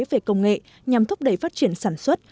về công nghệ nhằm thúc đẩy phát triển sản xuất